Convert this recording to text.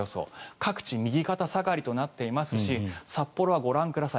各地右肩下がりとなっていますし札幌はご覧ください